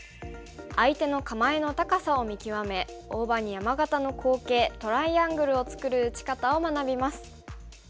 相手の構えの高さを見極め大場に山型の好形トライアングルを作る打ち方を学びます。